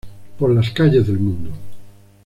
Por las calles del mundo".